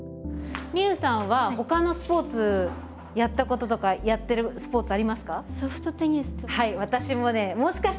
みうさんはほかのスポーツやったこととかやってるスポーツありますか？